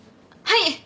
はい！